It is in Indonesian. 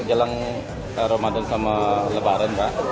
jelang ramadan sama lebaran pak